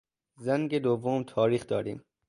زنگ دوم تاریخ داریم.